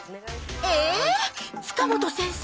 ええ⁉塚本先生